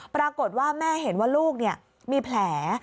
ปรากฏว่าแม่เห็นว่าลูกมีแผล